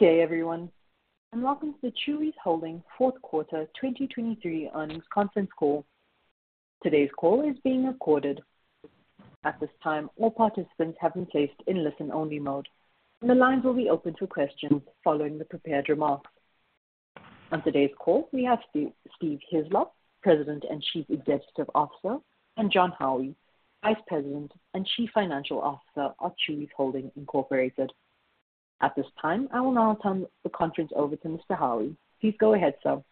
Good day everyone, and welcome to the Chuy's Holdings fourth quarter, 2023 earnings conference call. Today's call is being recorded. At this time, all participants have been placed in listen-only mode, and the lines will be open for questions following the prepared remarks. On today's call, we have Steve Hislop, President and Chief Executive Officer, and Jon Howie, Vice President and Chief Financial Officer of Chuy's Holdings, Incorporated. At this time, I will now turn the conference over to Mr. Howie. Please go ahead, sir.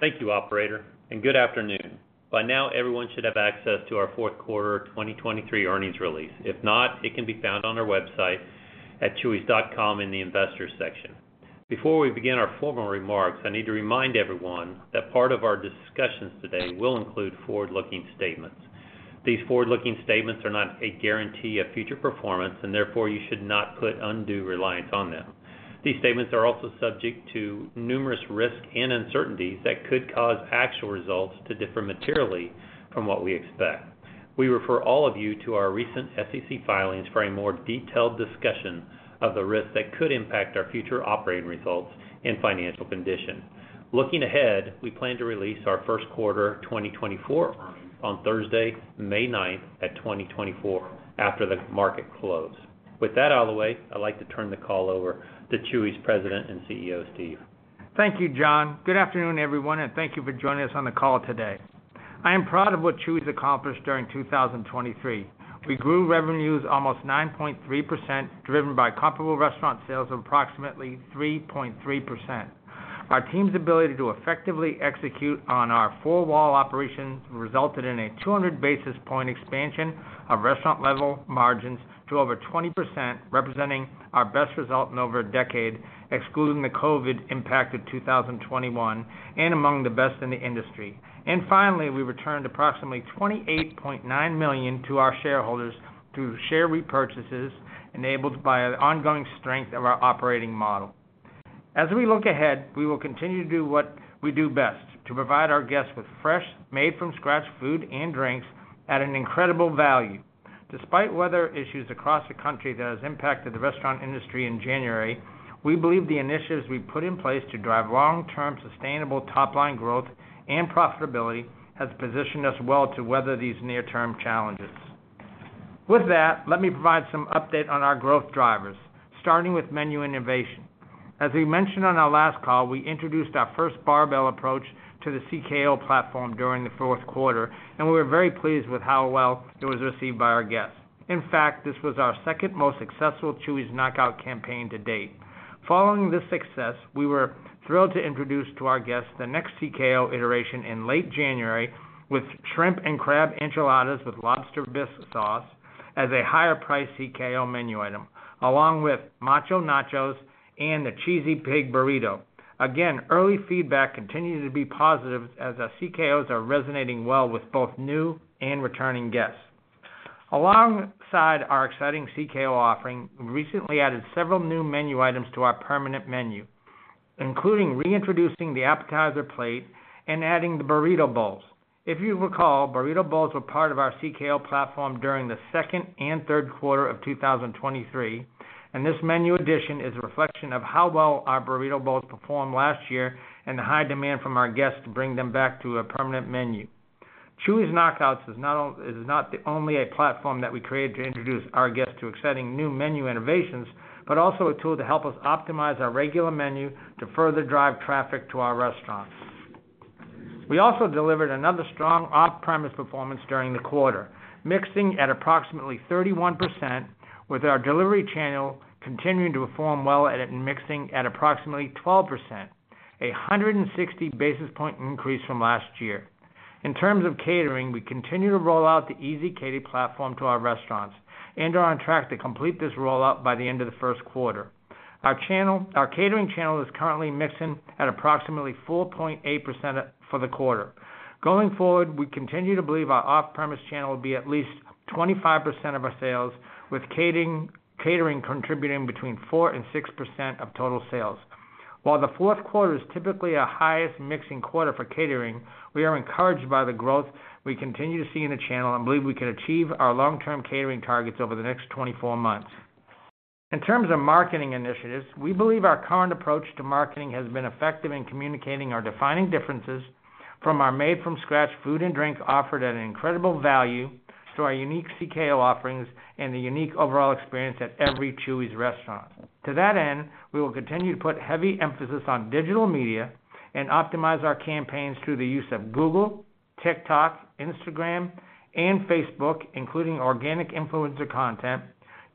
Thank you, operator, and good afternoon. By now, everyone should have access to our fourth quarter 2023 earnings release. If not, it can be found on our website at Chuy's.com in the Investors section. Before we begin our formal remarks, I need to remind everyone that part of our discussions today will include forward-looking statements. These forward-looking statements are not a guarantee of future performance, and therefore you should not put undue reliance on them. These statements are also subject to numerous risks and uncertainties that could cause actual results to differ materially from what we expect. We refer all of you to our recent SEC filings for a more detailed discussion of the risks that could impact our future operating results and financial condition. Looking ahead, we plan to release our first quarter 2024 earnings on Thursday, May 9, 2024, after the market close. With that out of the way, I'd like to turn the call over to Chuy's President and CEO, Steve. Thank you, Jon. Good afternoon, everyone, and thank you for joining us on the call today. I am proud of what Chuy's accomplished during 2023. We grew revenues almost 9.3%, driven by comparable restaurant sales of approximately 3.3%. Our team's ability to effectively execute on our four-wall operations resulted in a 200 basis point expansion of restaurant-level margins to over 20%, representing our best result in over a decade, excluding the COVID impact of 2021, and among the best in the industry. And finally, we returned approximately $28.9 million to our shareholders through share repurchases, enabled by the ongoing strength of our operating model. As we look ahead, we will continue to do what we do best, to provide our guests with fresh, made-from-scratch food and drinks at an incredible value. Despite weather issues across the country that has impacted the restaurant industry in January, we believe the initiatives we've put in place to drive long-term, sustainable top-line growth and profitability has positioned us well to weather these near-term challenges. With that, let me provide some update on our growth drivers, starting with menu innovation. As we mentioned on our last call, we introduced our first barbell approach to the CKO platform during the fourth quarter, and we were very pleased with how well it was received by our guests. In fact, this was our second most successful Chuy's Knockouts campaign to date. Following this success, we were thrilled to introduce to our guests the next CKO iteration in late January, with Shrimp and Crab Enchiladas with lobster bisque sauce as a higher-priced CKO menu item, along with Macho Nachos and the Cheesy Pig Burrito. Again, early feedback continues to be positive as our CKOs are resonating well with both new and returning guests. Alongside our exciting CKO offering, we recently added several new menu items to our permanent menu, including reintroducing the appetizer plate and adding the Burrito Bowls. If you recall, Burrito Bowls were part of our CKO platform during the second and third quarter of 2023, and this menu addition is a reflection of how well our Burrito Bowls performed last year and the high demand from our guests to bring them back to a permanent menu. Chuy's Knockouts is not only a platform that we created to introduce our guests to exciting new menu innovations, but also a tool to help us optimize our regular menu to further drive traffic to our restaurants. We also delivered another strong off-premise performance during the quarter, mixing at approximately 31%, with our delivery channel continuing to perform well at mixing at approximately 12%, a 160 basis point increase from last year. In terms of catering, we continue to roll out the ezCater platform to our restaurants and are on track to complete this rollout by the end of the first quarter. Our catering channel is currently mixing at approximately 4.8% for the quarter. Going forward, we continue to believe our off-premise channel will be at least 25% of our sales, with catering contributing between 4% and 6% of total sales. While the fourth quarter is typically our highest mixing quarter for catering, we are encouraged by the growth we continue to see in the channel and believe we can achieve our long-term catering targets over the next 24 months. In terms of marketing initiatives, we believe our current approach to marketing has been effective in communicating our defining differences from our made-from-scratch food and drink offered at an incredible value, to our unique CKO offerings and the unique overall experience at every Chuy's restaurant. To that end, we will continue to put heavy emphasis on digital media and optimize our campaigns through the use of Google, TikTok, Instagram, and Facebook, including organic influencer content,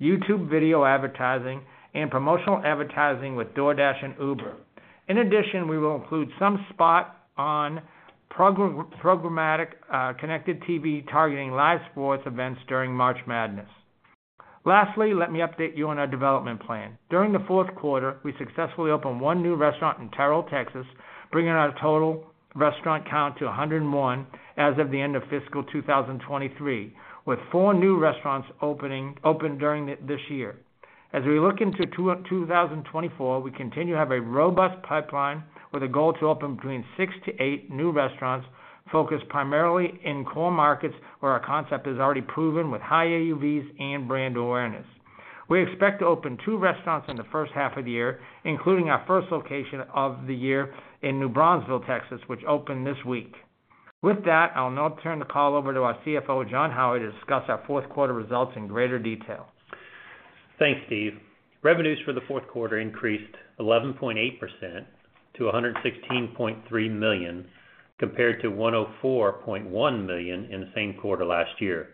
YouTube video advertising, and promotional advertising with DoorDash and Uber. In addition, we will include some spot on program, programmatic, connected TV targeting live sports events during March Madness. Lastly, let me update you on our development plan. During the fourth quarter, we successfully opened one new restaurant in Terrell, Texas, bringing our total restaurant count to 101 as of the end of fiscal 2023, with four new restaurants opened during this year. As we look into 2024, we continue to have a robust pipeline with a goal to open between 6-8 new restaurants, focused primarily in core markets where our concept is already proven with high AUVs and brand awareness.... We expect to open two restaurants in the first half of the year, including our first location of the year in New Braunfels, Texas, which opened this week. With that, I'll now turn the call over to our CFO, Jon Howie, to discuss our fourth quarter results in greater detail. Thanks, Steve. Revenues for the fourth quarter increased 11.8% to $116.3 million, compared to $104.1 million in the same quarter last year.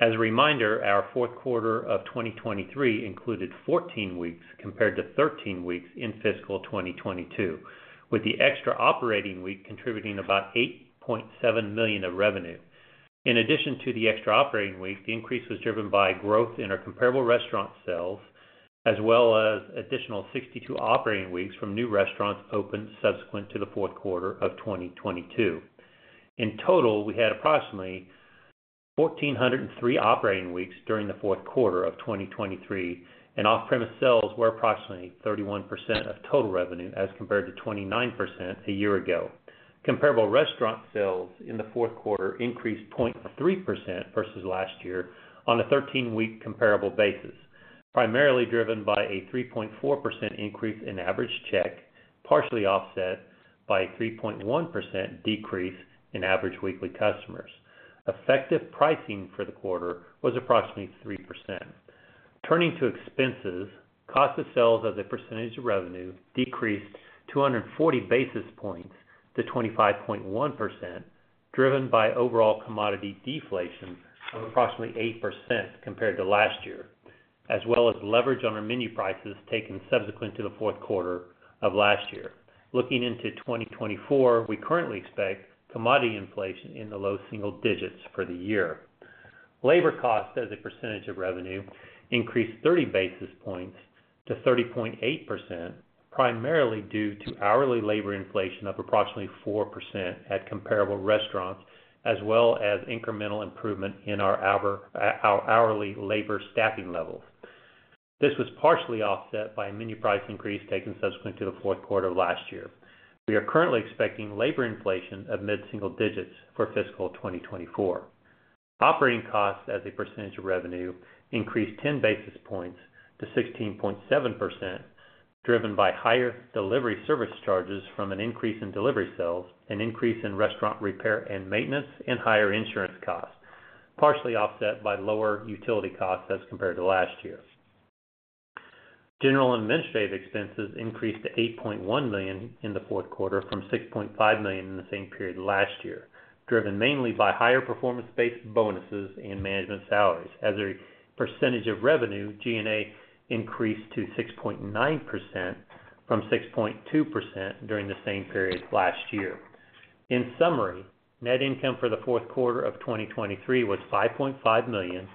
As a reminder, our fourth quarter of 2023 included 14 weeks, compared to 13 weeks in fiscal 2022, with the extra operating week contributing about $8.7 million of revenue. In addition to the extra operating week, the increase was driven by growth in our comparable restaurant sales, as well as additional 62 operating weeks from new restaurants opened subsequent to the fourth quarter of 2022. In total, we had approximately 1,403 operating weeks during the fourth quarter of 2023, and off-premise sales were approximately 31% of total revenue, as compared to 29% a year ago. Comparable restaurant sales in the fourth quarter increased 0.3% versus last year on a 13-week comparable basis, primarily driven by a 3.4% increase in average check, partially offset by a 3.1% decrease in average weekly customers. Effective pricing for the quarter was approximately 3%. Turning to expenses, cost of sales as a percentage of revenue decreased 240 basis points to 25.1%, driven by overall commodity deflation of approximately 8% compared to last year, as well as leverage on our menu prices taken subsequent to the fourth quarter of last year. Looking into 2024, we currently expect commodity inflation in the low single digits for the year. Labor costs as a percentage of revenue increased 30 basis points to 30.8%, primarily due to hourly labor inflation of approximately 4% at comparable restaurants, as well as incremental improvement in our hourly labor staffing levels. This was partially offset by a menu price increase taken subsequent to the fourth quarter of last year. We are currently expecting labor inflation of mid-single digits for fiscal 2024. Operating costs as a percentage of revenue increased 10 basis points to 16.7%, driven by higher delivery service charges from an increase in delivery sales, an increase in restaurant repair and maintenance, and higher insurance costs, partially offset by lower utility costs as compared to last year. General and administrative expenses increased to $8.1 million in the fourth quarter from $6.5 million in the same period last year, driven mainly by higher performance-based bonuses and management salaries. As a percentage of revenue, G&A increased to 6.9% from 6.2% during the same period last year. In summary, net income for the fourth quarter of 2023 was $5.5 million,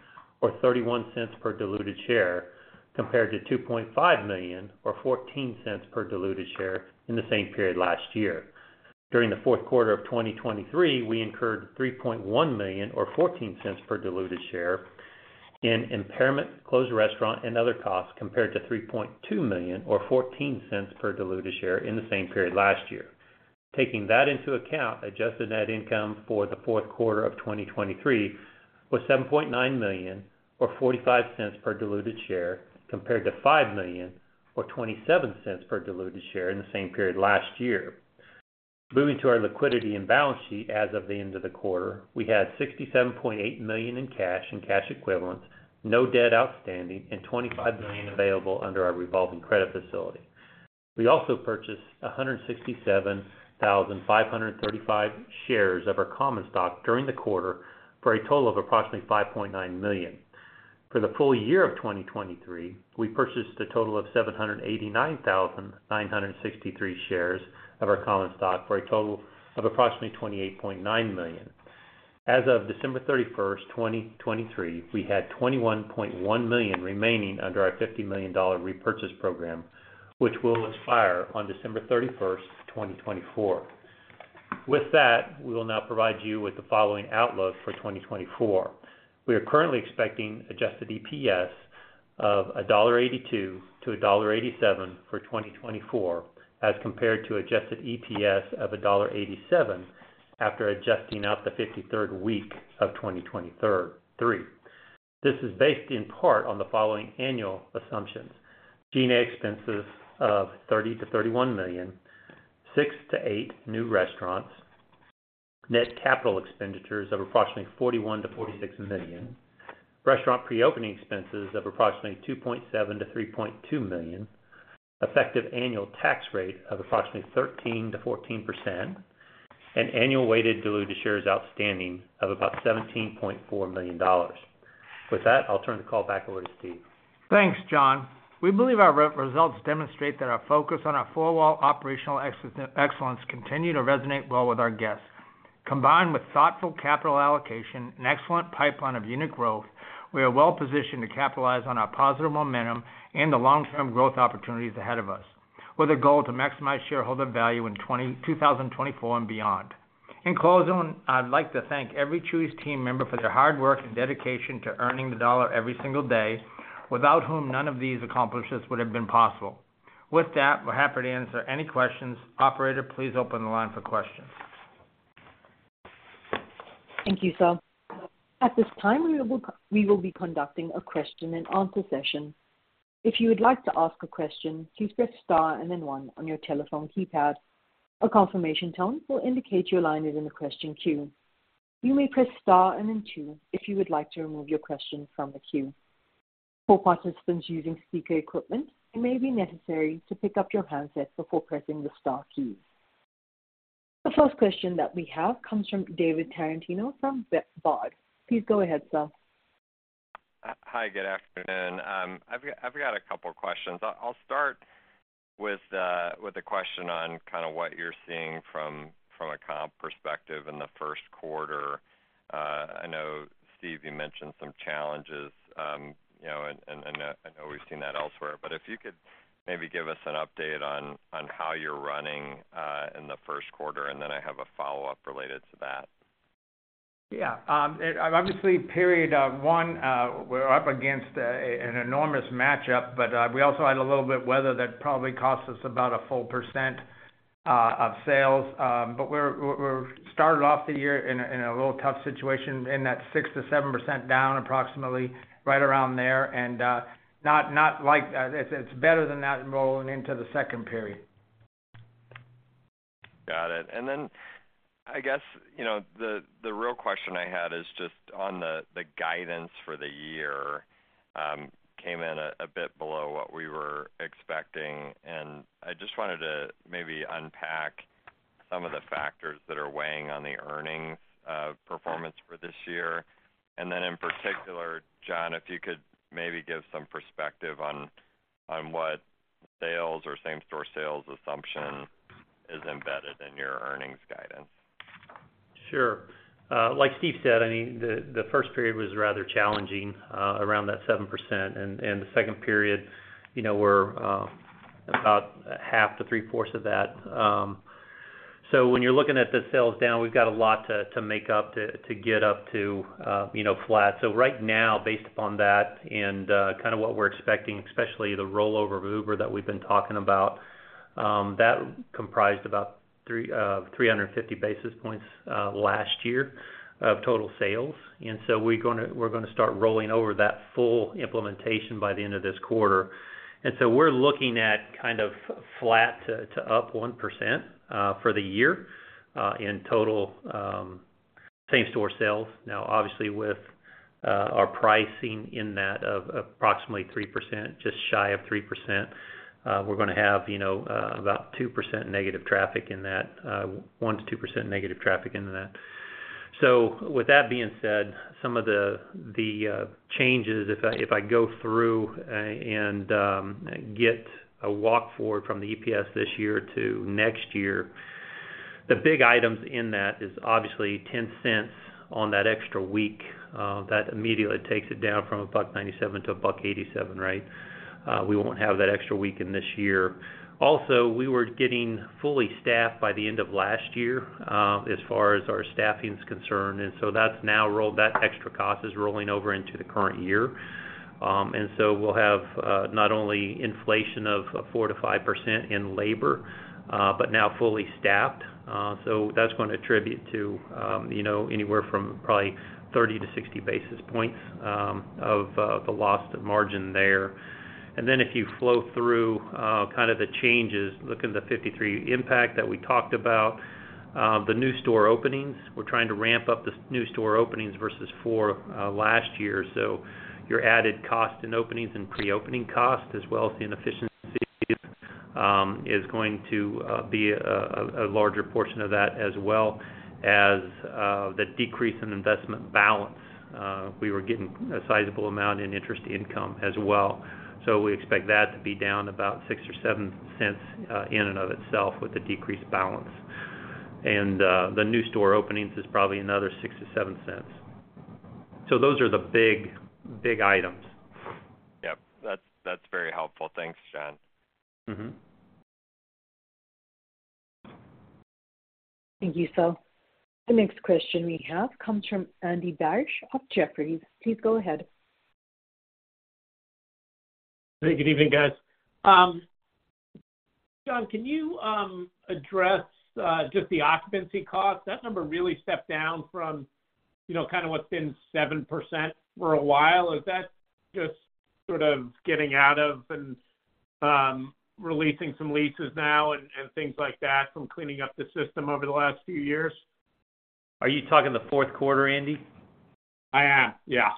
or $0.31 per diluted share, compared to $2.5 million or $0.14 per diluted share in the same period last year. During the fourth quarter of 2023, we incurred $3.1 million, or $0.14 per diluted share in impairment, closed restaurant and other costs, compared to $3.2 million or $0.14 per diluted share in the same period last year. Taking that into account, Adjusted Net Income for the fourth quarter of 2023 was $7.9 million or $0.45 per diluted share, compared to $5 million or $0.27 per diluted share in the same period last year. Moving to our liquidity and balance sheet. As of the end of the quarter, we had $67.8 million in cash and cash equivalents, no debt outstanding, and $25 million available under our revolving credit facility. We also purchased 167,535 shares of our common stock during the quarter, for a total of approximately $5.9 million. For the full year of 2023, we purchased a total of 789,963 shares of our common stock, for a total of approximately $28.9 million. As of December 31, 2023, we had $21.1 million remaining under our $50 million repurchase program, which will expire on December 31, 2024. With that, we will now provide you with the following outlook for 2024. We are currently expecting adjusted EPS of $1.82-$1.87 for 2024, as compared to adjusted EPS of $1.87 after adjusting out the 53rd week of 2023. This is based in part on the following annual assumptions: G&A expenses of $30-$31 million, 6-8 new restaurants, net capital expenditures of approximately $41 million-$46 million, restaurant pre-opening expenses of approximately $2.7 million-$3.2 million, effective annual tax rate of approximately 13%-14%, and annual weighted diluted shares outstanding of about 17.4 million dollars. With that, I'll turn the call back over to Steve. Thanks, Jon. We believe our results demonstrate that our focus on our four-wall operational excellence continues to resonate well with our guests. Combined with thoughtful capital allocation and excellent pipeline of unit growth, we are well positioned to capitalize on our positive momentum and the long-term growth opportunities ahead of us, with a goal to maximize shareholder value in 2024 and beyond. In closing, I'd like to thank every Chuy's team member for their hard work and dedication to earning the dollar every single day, without whom none of these accomplishes would have been possible. With that, we're happy to answer any questions. Operator, please open the line for questions. Thank you, sir. At this time, we will be conducting a question and answer session. If you would like to ask a question, please press Star and then one on your telephone keypad. A confirmation tone will indicate your line is in the question queue. You may press Star and then two if you would like to remove your question from the queue. For participants using speaker equipment, it may be necessary to pick up your handset before pressing the star key. The first question that we have comes from David Tarantino from Baird. Please go ahead, sir. Hi, good afternoon. I've got a couple of questions. I'll start with a question on kind of what you're seeing from a comp perspective in the first quarter. I know, Steve, you mentioned some challenges, you know, and I know we've seen that elsewhere. But if you could maybe give us an update on how you're running in the first quarter, and then I have a follow-up related to that. Yeah, and obviously, period one, we're up against an enormous match-up, but we also had a little bit of weather that probably cost us about a full 1% of sales. But we started off the year in a little tough situation in that 6%-7% down, approximately, right around there. And not like that. It's better than that rolling into the second period. Got it. And then, I guess, you know, the real question I had is just on the guidance for the year, came in a bit below what we were expecting, and I just wanted to maybe unpack some of the factors that are weighing on the earnings performance for this year. And then, in particular, Jon, if you could maybe give some perspective on what sales or same-store sales assumption is embedded in your earnings guidance. Sure. Like Steve said, I mean, the first period was rather challenging around that 7%, and the second period, you know, we're about half to three-fourths of that. So when you're looking at the sales down, we've got a lot to make up to get up to, you know, flat. So right now, based upon that and kind of what we're expecting, especially the rollover of Uber that we've been talking about, that comprised about three hundred and fifty basis points last year of total sales. And so we're gonna start rolling over that full implementation by the end of this quarter. And so we're looking at kind of flat to up 1% for the year in total same-store sales. Now, obviously with, our pricing in that of approximately 3%, just shy of 3%, we're gonna have, you know, about 2% negative traffic in that, 1%-2% negative traffic in that. So with that being said, some of the changes, if I go through, and get a walk forward from the EPS this year to next year, the big items in that is obviously $0.10 on that extra week. That immediately takes it down from $1.97 to $1.87, right? We won't have that extra week in this year. Also, we were getting fully staffed by the end of last year, as far as our staffing is concerned, and so that's now rolled-- that extra cost is rolling over into the current year. And so we'll have not only inflation of 4%-5% in labor, but now fully staffed. So that's going to attribute to you know anywhere from probably 30-60 basis points of the loss of margin there. And then if you flow through kind of the changes look at the 53 impact that we talked about the new store openings. We're trying to ramp up the new store openings versus 4 last year. So your added cost in openings and pre-opening costs as well as the inefficiencies is going to be a larger portion of that as well as the decrease in investment balance. We were getting a sizable amount in interest income as well, so we expect that to be down about $0.06 or $0.07 in and of itself with a decreased balance. And the new store openings is probably another $0.06-$0.07. So those are the big, big items. Yep, that's very helpful. Thanks, Jon. Mm-hmm. Thank you, sir. The next question we have comes from Andy Barish of Jefferies. Please go ahead. Hey, good evening, guys. Jon, can you address just the occupancy cost? That number really stepped down from, you know, kind of what's been 7% for a while. Is that just sort of getting out of and releasing some leases now and things like that, from cleaning up the system over the last few years? Are you talking the fourth quarter, Andy? I am, yeah.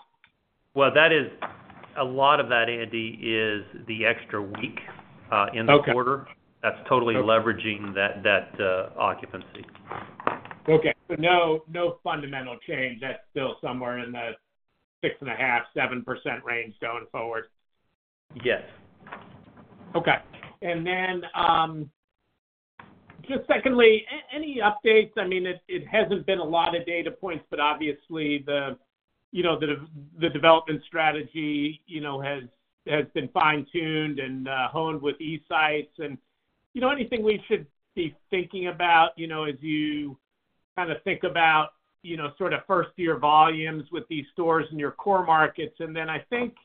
Well, that is a lot of that, Andy, is the extra week in the quarter. Okay. That's totally leveraging that occupancy. Okay. No, no fundamental change, that's still somewhere in the 6.5%-7% range going forward? Yes. Okay. And then, just secondly, any updates? I mean, it hasn't been a lot of data points, but obviously, you know, the development strategy, you know, has been fine-tuned and honed with eSites. And, you know, anything we should be thinking about, you know, as you kind of think about, you know, sort of first-year volumes with these stores in your core markets? And then I think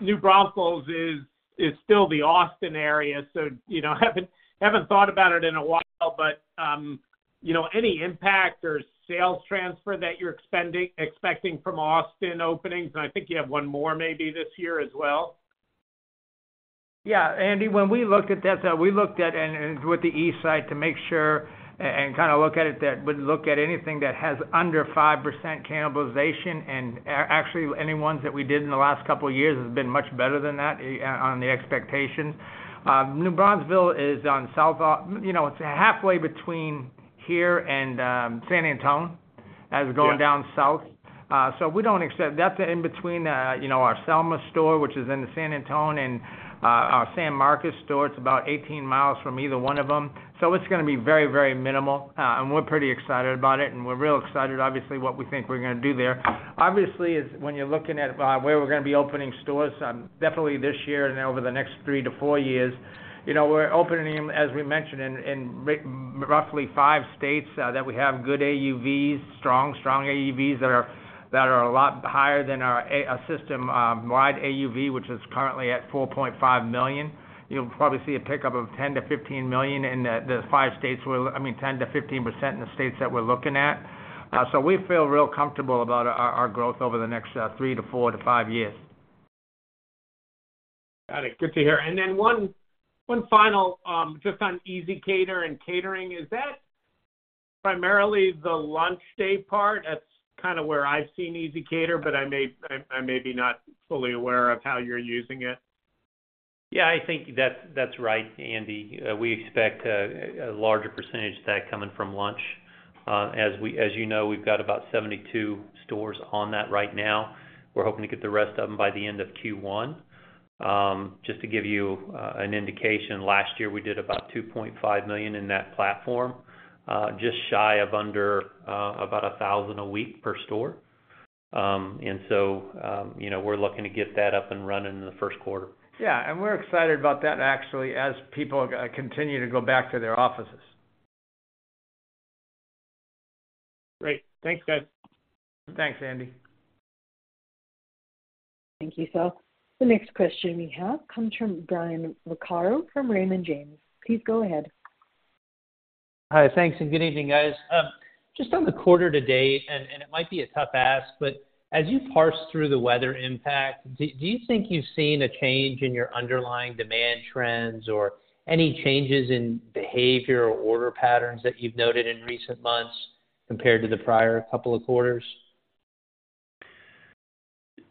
New Braunfels is still the Austin area, so, you know, I haven't thought about it in a while, but, you know, any impact or sales transfer that you're expecting from Austin openings? And I think you have one more maybe this year as well. Yeah, Andy, when we looked at that, though, we looked at and, and with the eSite to make sure and kind of look at it, that would look at anything that has under 5% cannibalization. And actually, any ones that we did in the last couple of years has been much better than that on the expectation. New Braunfels is on South Austin—you know, it's halfway between here and San Antonio, as going down south. Yeah. So we don't accept—that's in between, you know, our Selma store, which is in the San Antonio, and our San Marcos store. It's about 18 miles from either one of them. So it's gonna be very, very minimal, and we're pretty excited about it. And we're real excited, obviously, what we think we're gonna do there. Obviously, is when you're looking at where we're gonna be opening stores, definitely this year and over the next 3-4 years, you know, we're opening them, as we mentioned, in roughly 5 states that we have good AUVs, strong, strong AUVs, that are a lot higher than our a system wide AUV, which is currently at $4.5 million. You'll probably see a pickup of $10 million-$15 million in the the five states we're-- I mean, 10%-15% in the states that we're looking at. So we feel real comfortable about our our growth over the next 3 to 4 to 5 years. Got it. Good to hear. And then one, one final, just on ezCater and catering, is that primarily the lunch day part? That's kind of where I've seen ezCater, but I may-- I, I may be not fully aware of how you're using it. Yeah, I think that's, that's right, Andy. We expect a larger percentage of that coming from lunch. As you know, we've got about 72 stores on that right now. We're hoping to get the rest of them by the end of Q1. Just to give you an indication, last year we did about $2.5 million in that platform, just shy of under about $1,000 a week per store. And so, you know, we're looking to get that up and running in the first quarter. Yeah, and we're excited about that actually, as people continue to go back to their offices. Great. Thanks, guys. Thanks, Andy. Thank you, sir. The next question we have comes from Brian Vaccaro from Raymond James. Please go ahead. Hi, thanks, and good evening, guys. Just on the quarter to date, and it might be a tough ask, but as you parse through the weather impact, do you think you've seen a change in your underlying demand trends or any changes in behavior or order patterns that you've noted in recent months compared to the prior couple of quarters?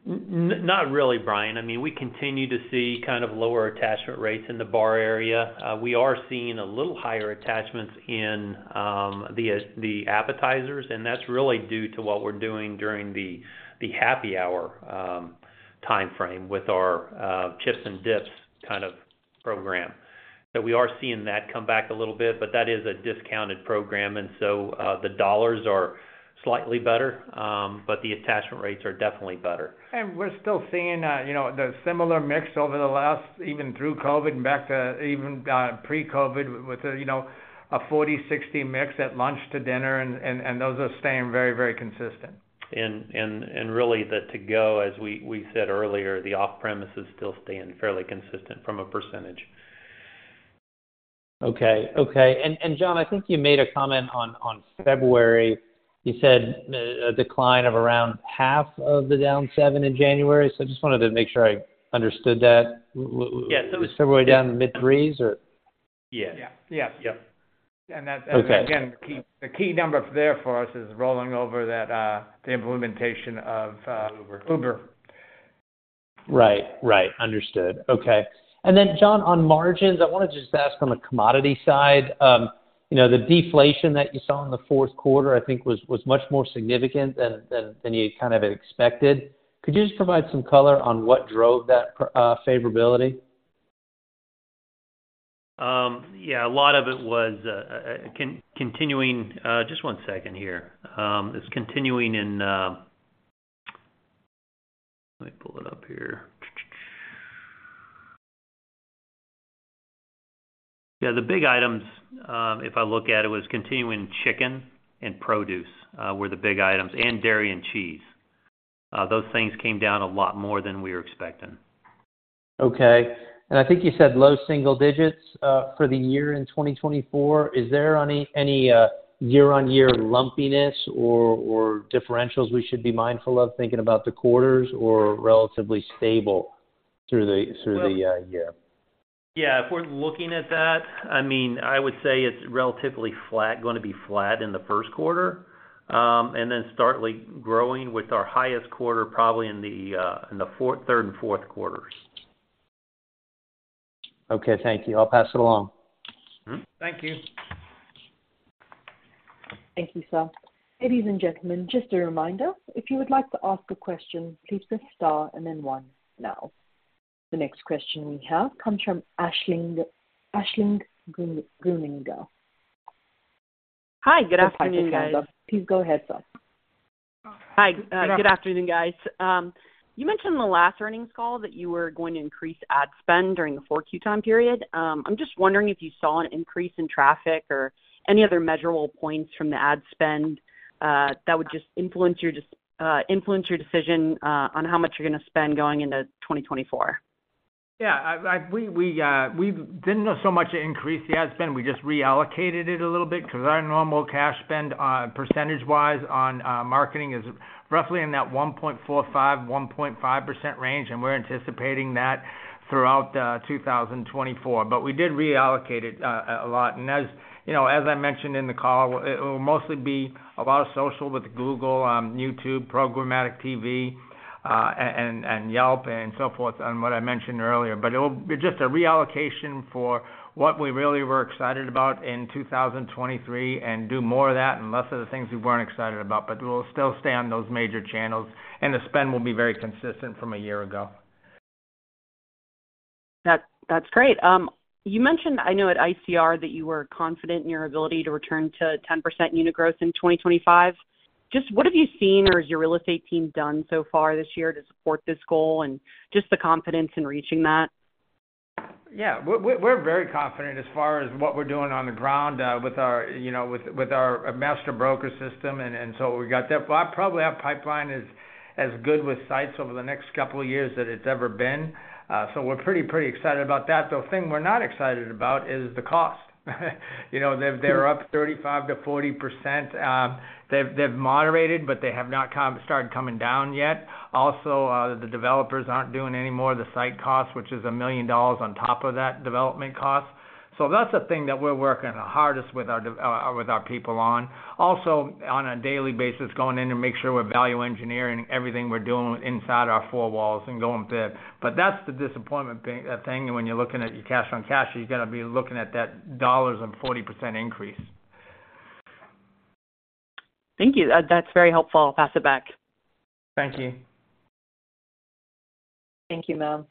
Not really, Brian. I mean, we continue to see kind of lower attachment rates in the bar area. We are seeing a little higher attachments in the appetizers, and that's really due to what we're doing during the happy hour timeframe with our chips and dips kind of program. So we are seeing that come back a little bit, but that is a discounted program, and so the dollars are slightly better, but the attachment rates are definitely better. We're still seeing, you know, the similar mix over the last, even through COVID and back to even, pre-COVID, with, you know, a 40-60 mix at lunch to dinner, and those are staying very, very consistent. Really, the to-go, as we said earlier, the off-premise is still staying fairly consistent from a percentage. Okay. Okay, and, and Jon, I think you made a comment on, on February. You said a decline of around half of the down 7 in January. So I just wanted to make sure I understood that. Yeah, so- Were we down mid-threes, or? Yeah. Yeah. Yeah. Yep. That's, again- Okay The key, the key number there for us is rolling over that, the implementation of, Uber. Uber. Right. Right. Understood. Okay, and then, Jon, on margins, I want to just ask on the commodity side, you know, the deflation that you saw in the fourth quarter, I think was much more significant than you kind of expected. Could you just provide some color on what drove that favorability? Yeah, a lot of it was continuing, just one second here. It's continuing in... Let me pull it up here. Yeah, the big items, if I look at it, was continuing chicken and produce, were the big items, and dairy and cheese. Those things came down a lot more than we were expecting. Okay. And I think you said low single digits for the year in 2024. Is there any year-on-year lumpiness or differentials we should be mindful of thinking about the quarters or relatively stable through the year? Yeah, if we're looking at that, I mean, I would say it's relatively flat, gonna be flat in the first quarter, and then start like growing with our highest quarter, probably in the third and fourth quarters. Okay, thank you. I'll pass it along. Mm-hmm. Thank you. Thank you, sir. Ladies and gentlemen, just a reminder, if you would like to ask a question, please press star and then one now. The next question we have comes from Aisling, Aisling Grueninger. Hi, good afternoon, guys. Please go ahead, sir. Hi, good afternoon, guys. You mentioned in the last earnings call that you were going to increase ad spend during the 4Q time period. I'm just wondering if you saw an increase in traffic or any other measurable points from the ad spend that would just influence your decision on how much you're gonna spend going into 2024? Yeah, we didn't so much increase the ad spend. We just reallocated it a little bit because our normal cash spend, percentage-wise on marketing is roughly in that 1.45-1.5% range, and we're anticipating that throughout 2024. But we did reallocate it a lot. And as you know, as I mentioned in the call, it will mostly be a lot of social with Google, YouTube, programmatic TV, and Yelp and so forth, and what I mentioned earlier. But it'll be just a reallocation for what we really were excited about in 2023, and do more of that and less of the things we weren't excited about. But we'll still stay on those major channels, and the spend will be very consistent from a year ago. That's, that's great. You mentioned, I know at ICR, that you were confident in your ability to return to 10% unit growth in 2025. Just what have you seen or has your real estate team done so far this year to support this goal and just the confidence in reaching that? Yeah, we're very confident as far as what we're doing on the ground with our, you know, with our master broker system, and so we got that. But probably our pipeline is as good with sites over the next couple of years than it's ever been. So we're pretty excited about that, though the thing we're not excited about is the cost. You know, they're up 35%-40%. They've moderated, but they have not started coming down yet. Also, the developers aren't doing any more of the site costs, which is $1 million on top of that development cost. So that's the thing that we're working the hardest with our people on. Also, on a daily basis, going in to make sure we're value engineering everything we're doing inside our four walls and going bid. But that's the disappointment thing, when you're looking at your cash on cash, you got to be looking at that dollars and 40% increase. Thank you. That's very helpful. I'll pass it back. Thank you. Thank you, ma'am.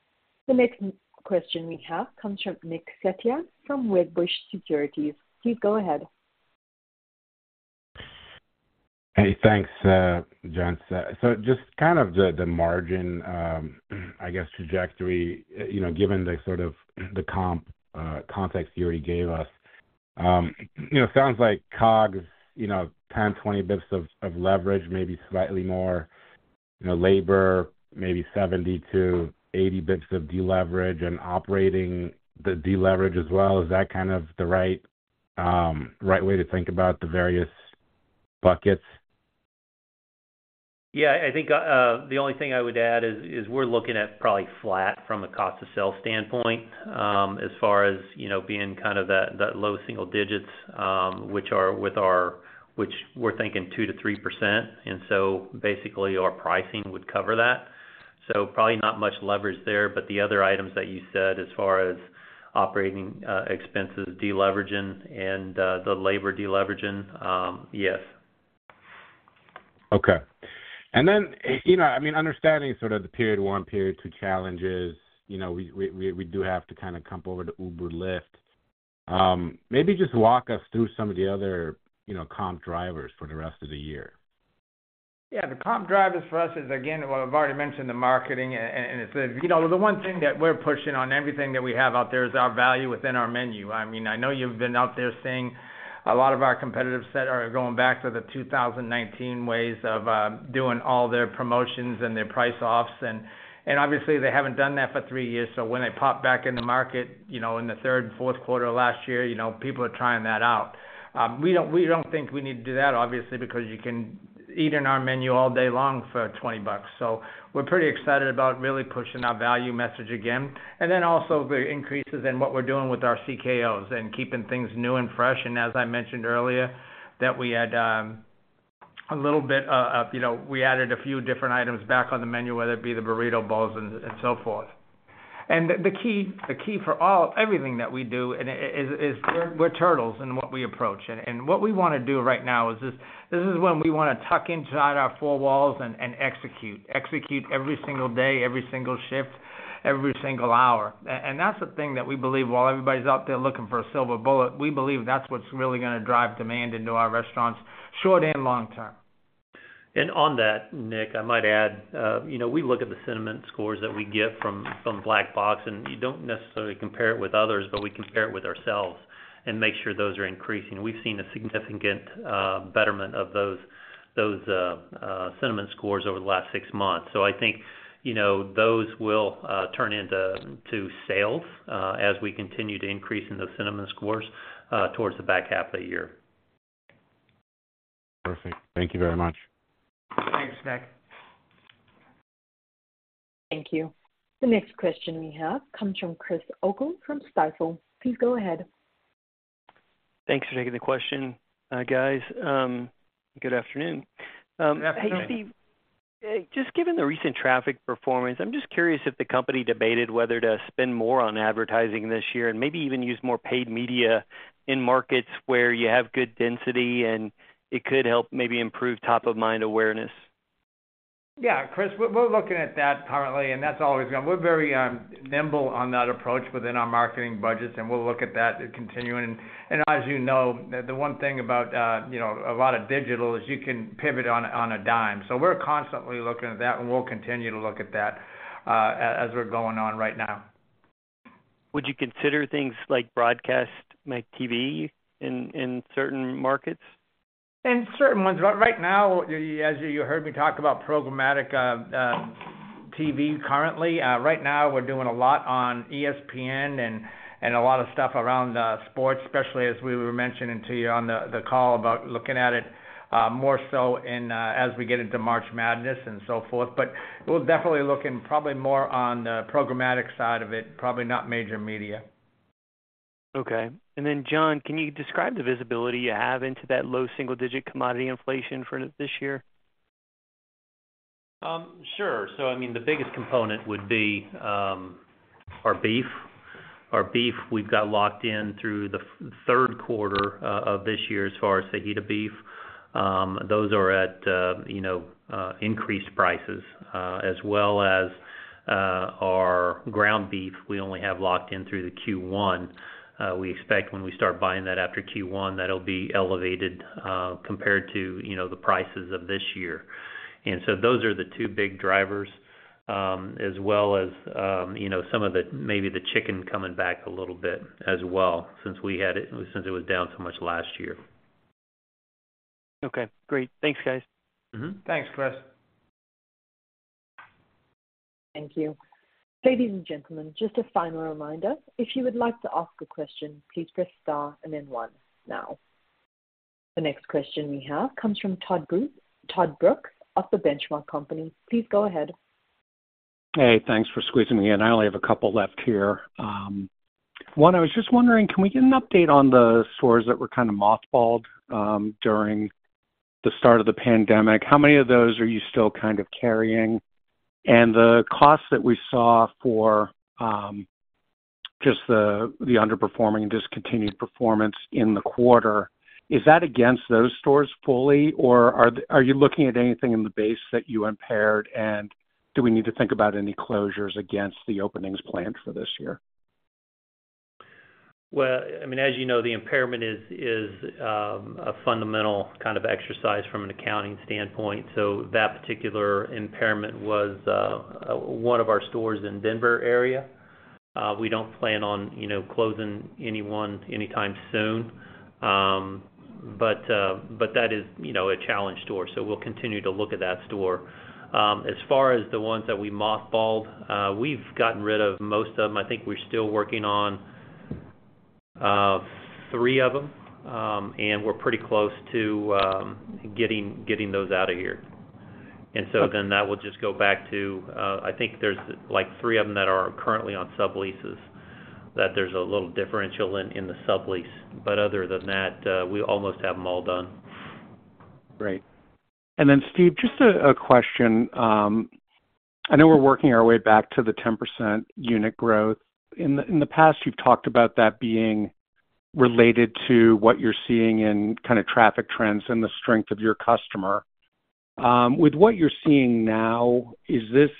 The next question we have comes from Nick Setyan from Wedbush Securities. Please go ahead. Hey, thanks, gents. So just kind of the margin, I guess, trajectory, you know, given the sort of the comp context you already gave us. You know, it sounds like COGS, you know, 10-20 bits of leverage, maybe slightly more, you know, labor, maybe 70-80 bits of deleverage and operating the deleverage as well. Is that kind of the right way to think about the various buckets? Yeah, I think the only thing I would add is we're looking at probably flat from a cost of sales standpoint, as far as, you know, being kind of that low single digits, which we're thinking 2%-3%, and so basically, our pricing would cover that. So probably not much leverage there, but the other items that you said, as far as operating expenses, deleveraging, and the labor deleveraging, yes. Okay. And then, you know, I mean, understanding sort of the period one, period two challenges, you know, we do have to kind of come over to Uber, Lyft. Maybe just walk us through some of the other, you know, comp drivers for the rest of the year. Yeah, the comp drivers for us is, again, what I've already mentioned, the marketing and, and it's, you know, the one thing that we're pushing on everything that we have out there is our value within our menu. I mean, I know you've been out there seeing a lot of our competitors that are going back to the 2019 ways of doing all their promotions and their price offs, and, and obviously, they haven't done that for 3 years. So when they pop back in the market, you know, in the third, fourth quarter of last year, you know, people are trying that out. We don't, we don't think we need to do that, obviously, because you can eat in our menu all day long for $20. So we're pretty excited about really pushing our value message again. And then also the increases in what we're doing with our CKOs and keeping things new and fresh. And as I mentioned earlier, that we had a little bit of, you know, we added a few different items back on the menu, whether it be the Burrito Bowls and so forth. And the key for everything that we do is we're turtles in what we approach. And what we want to do right now is this: this is when we want to tuck inside our four walls and execute. Execute every single day, every single shift, every single hour. And that's the thing that we believe while everybody's out there looking for a silver bullet, we believe that's what's really going to drive demand into our restaurants, short and long term. On that, Nick, I might add, you know, we look at the sentiment scores that we get from Black Box, and you don't necessarily compare it with others, but we compare it with ourselves and make sure those are increasing. We've seen a significant betterment of those sentiment scores over the last six months. So I think, you know, those will turn into sales as we continue to increase in those sentiment scores towards the back half of the year. Perfect. Thank you very much. Thanks, Nick. Thank you. The next question we have comes from Chris O'Cull from Stifel. Please go ahead. Thanks for taking the question, guys. Good afternoon. Good afternoon. Hey, Steve, just given the recent traffic performance, I'm just curious if the company debated whether to spend more on advertising this year and maybe even use more paid media in markets where you have good density, and it could help maybe improve top-of-mind awareness. Yeah, Chris, we're looking at that currently, and that's always been—we're very nimble on that approach within our marketing budgets, and we'll look at that continuing. And as you know, the one thing about, you know, a lot of digital is you can pivot on a dime. So we're constantly looking at that, and we'll continue to look at that as we're going on right now. Would you consider things like broadcast, like TV in certain markets? In certain ones, but right now, as you heard me talk about programmatic TV currently, right now we're doing a lot on ESPN and a lot of stuff around sports, especially as we were mentioning to you on the call about looking at it more so in as we get into March Madness and so forth. But we're definitely looking probably more on the programmatic side of it, probably not major media. Okay. And then, Jon, can you describe the visibility you have into that low single-digit commodity inflation for this year? Sure. So I mean, the biggest component would be, our beef. Our beef, we've got locked in through the third quarter of this year, as far as fajita beef. Those are at, you know, increased prices, as well as, our ground beef, we only have locked in through the Q1. We expect when we start buying that after Q1, that'll be elevated, compared to, you know, the prices of this year. And so those are the two big drivers, as well as, you know, some of the, maybe the chicken coming back a little bit as well since it was down so much last year. Okay, great. Thanks, guys. Mm-hmm. Thanks, Chris. Thank you. Ladies and gentlemen, just a final reminder, if you would like to ask a question, please press Star and then one now. The next question we have comes from Todd Brooks of The Benchmark Company. Please go ahead. Hey, thanks for squeezing me in. I only have a couple left here. One, I was just wondering, can we get an update on the stores that were kind of mothballed during the start of the pandemic? How many of those are you still kind of carrying? And the cost that we saw for just the underperforming, discontinued performance in the quarter, is that against those stores fully, or are you looking at anything in the base that you impaired? And do we need to think about any closures against the openings planned for this year? Well, I mean, as you know, the impairment is a fundamental kind of exercise from an accounting standpoint. So that particular impairment was one of our stores in Denver area. We don't plan on, you know, closing anyone anytime soon. But that is, you know, a challenged store, so we'll continue to look at that store. As far as the ones that we mothballed, we've gotten rid of most of them. I think we're still working on three of them, and we're pretty close to getting those out of here. And so then that will just go back to. I think there's, like, three of them that are currently on subleases, that there's a little differential in the sublease. But other than that, we almost have them all done. Great. And then, Steve, just a question. I know we're working our way back to the 10% unit growth. In the past, you've talked about that being related to what you're seeing in kind of traffic trends and the strength of your customer. With what you're seeing now, is this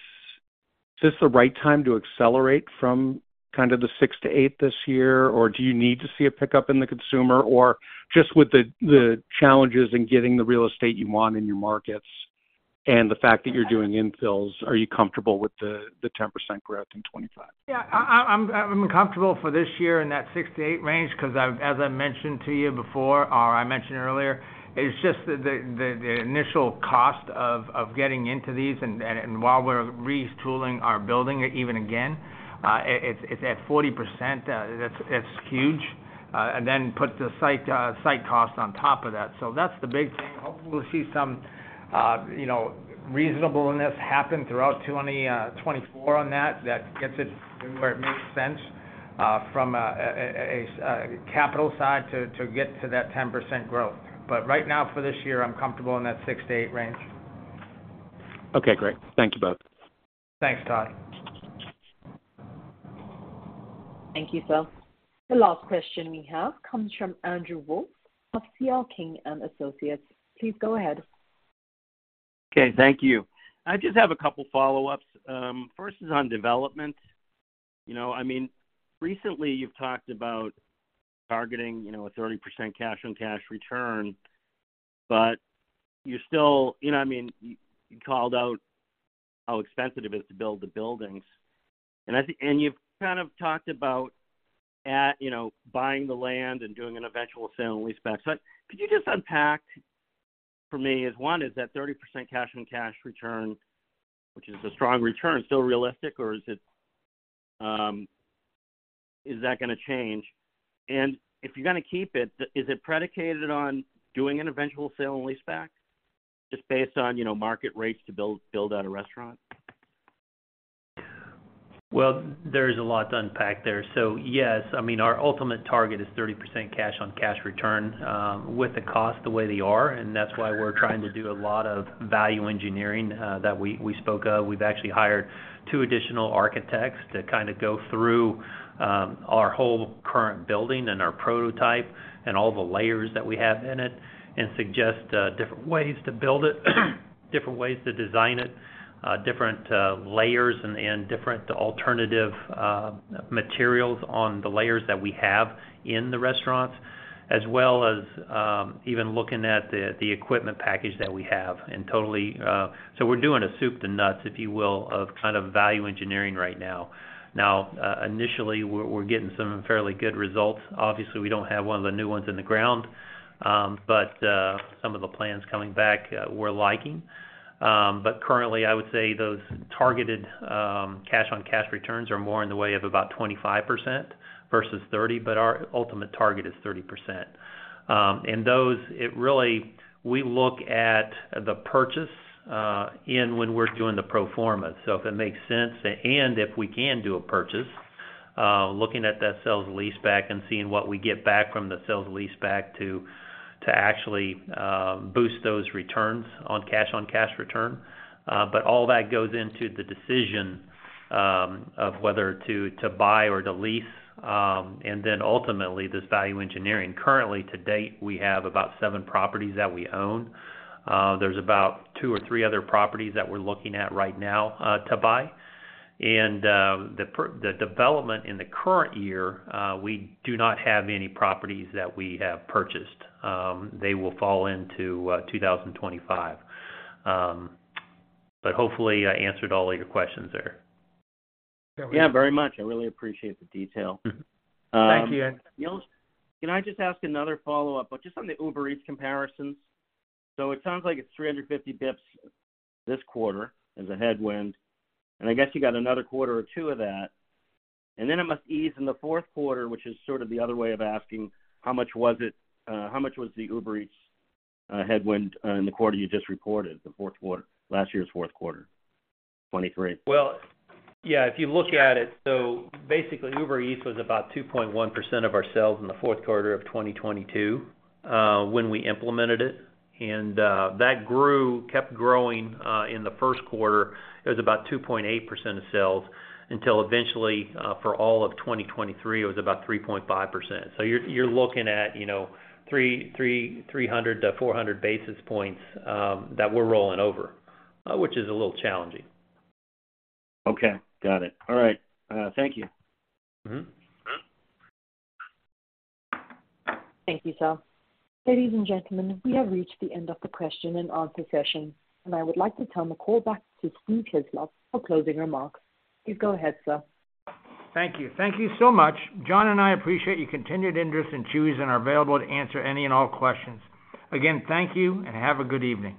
the right time to accelerate from kind of the 6%-8% this year, or do you need to see a pickup in the consumer? Or just with the challenges in getting the real estate you want in your markets and the fact that you're doing infills, are you comfortable with the 10% growth in 2025? Yeah, I'm comfortable for this year in that 6-8 range, 'cause I've—as I mentioned to you before, or I mentioned earlier, it's just the initial cost of getting into these, and while we're retooling our building even again, it's at 40%, it's huge. And then put the site cost on top of that. So that's the big thing. Hopefully, we'll see some, you know, reasonableness happen throughout 2024 on that, that gets it where it makes sense, from a capital side to get to that 10% growth. But right now, for this year, I'm comfortable in that 6-8 range. Okay, great. Thank you both. Thanks, Todd. Thank you, sir. The last question we have comes from Andrew Wolf of CL King & Associates. Please go ahead. Okay, thank you. I just have a couple follow-ups. First is on development. You know, I mean, recently you've talked about targeting, you know, a 30% Cash-on-Cash Return, but you're still... You know, I mean, you called out how expensive it is to build the buildings. And I think-- and you've kind of talked about at, you know, buying the land and doing an eventual sale-leaseback. But could you just unpack for me, is, one, is that 30% Cash-on-Cash Return, which is a strong return, still realistic, or is it, is that gonna change? And if you're gonna keep it, is it predicated on doing an eventual sale-leaseback, just based on, you know, market rates to build, build out a restaurant? Well, there's a lot to unpack there. So yes, I mean, our ultimate target is 30% cash-on-cash return with the cost the way they are, and that's why we're trying to do a lot of value engineering that we spoke of. We've actually hired two additional architects to kind of go through our whole current building and our prototype and all the layers that we have in it and suggest different ways to build it, different ways to design it, different layers and different alternative materials on the layers that we have in the restaurants... as well as even looking at the equipment package that we have. So we're doing a soup to nuts, if you will, of kind of value engineering right now. Now, initially, we're getting some fairly good results. Obviously, we don't have one of the new ones in the ground, but some of the plans coming back, we're liking. But currently, I would say those targeted cash-on-cash returns are more in the way of about 25% versus 30, but our ultimate target is 30%. And those, it really, we look at the purchase in when we're doing the pro forma. So if it makes sense, and if we can do a purchase, looking at that sale-leaseback and seeing what we get back from the sale-leaseback to actually boost those returns on cash-on-cash return. But all that goes into the decision of whether to buy or to lease, and then ultimately, this value engineering. Currently, to date, we have about seven properties that we own. There's about two or three other properties that we're looking at right now to buy. The development in the current year, we do not have any properties that we have purchased. They will fall into 2025. But hopefully, I answered all of your questions there. Yeah, very much. I really appreciate the detail. Mm-hmm. Thank you. Can I just ask another follow-up, but just on the Uber Eats comparisons? So it sounds like it's 350 bips this quarter as a headwind, and I guess you got another quarter or two of that. And then it must ease in the fourth quarter, which is sort of the other way of asking, how much was it, how much was the Uber Eats headwind in the quarter you just reported, the fourth quarter, last year's fourth quarter, 2023? Well, yeah, if you look at it, so basically, Uber Eats was about 2.1% of our sales in the fourth quarter of 2022, when we implemented it. And, that grew, kept growing, in the first quarter. It was about 2.8% of sales, until eventually, for all of 2023, it was about 3.5%. So you're, you're looking at, you know, 300-400 basis points, that we're rolling over, which is a little challenging. Okay, got it. All right, thank you. Mm-hmm. Thank you, sir. Ladies and gentlemen, we have reached the end of the question and answer session, and I would like to turn the call back to Steve Hislop for closing remarks. Please go ahead, sir. Thank you. Thank you so much. Jon and I appreciate your continued interest in Chuy's, and are available to answer any and all questions. Again, thank you, and have a good evening.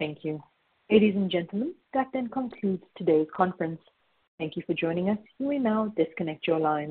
Thank you. Ladies and gentlemen, that then concludes today's conference. Thank you for joining us. You may now disconnect your lines.